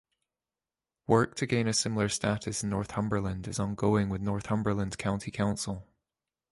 Work to gain a similar status in Northumberland is ongoing with Northumberland County Council.